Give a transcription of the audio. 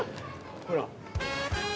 ほら。